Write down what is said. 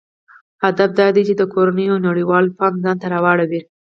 هدف دا دی چې د کورنیو او نړیوالو پام ځانته راواړوي.